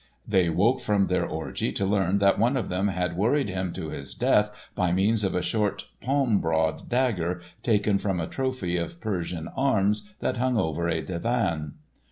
They woke from their orgie to learn that one of them had worried him to his death by means of a short palm broad dagger taken from a trophy of Persian arms that hung over a divan.